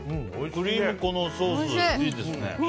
クリーム、このソースいいですね。